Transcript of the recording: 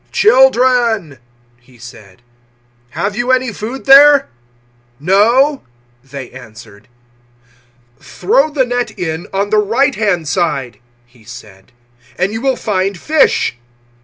"Children," He said, "have you any food there?" "No," they answered. 021:006 "Throw the net in on the right hand side," He said, "and you will find fish."